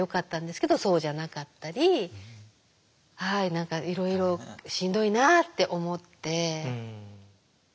何かいろいろしんどいなって思って。